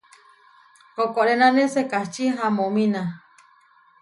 Koʼkorénane sekačí hamomína.